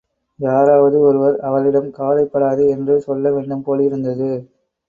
யாராவது ஒருவர் அவளிடம் கவலைப்படாதே என்று சொல்ல வேண்டும் போலிருந்தது.